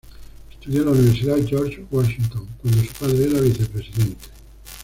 Estudió en la Universidad George Washington, cuando su padre era vicepresidente.